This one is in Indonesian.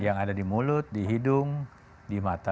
yang ada di mulut di hidung di mata